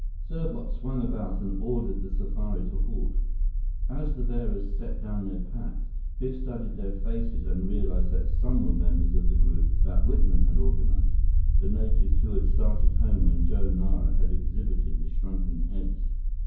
Serbot swung about and ordered the safari to halt. As the bearers set down their packs, Biff studied their faces and realized that some were members of the group that Whitman had organized, the natives who had started home when Joe Nara had exhibited the shrunken heads.